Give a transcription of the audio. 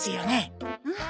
うん？